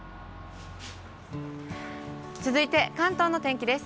続いて関東の天気です。